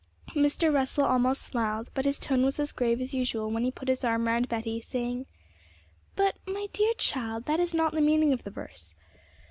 Mr. Russell almost smiled, but his tone was as grave as usual when he put his arm round Betty, saying, 'But, my dear child, that is not the meaning of the verse.